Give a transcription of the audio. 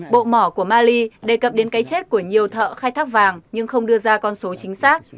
bộ mỏ của mali đề cập đến cái chết của nhiều thợ khai thác vàng nhưng không đưa ra con số chính xác